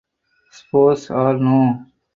Spores are Know